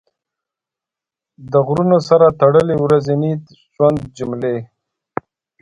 د غرونو سره تړلې ورځني ژوند جملې